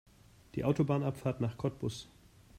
Die Autobahnabfahrt nach Cottbus